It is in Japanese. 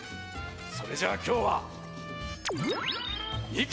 それじゃあきょうはいけ！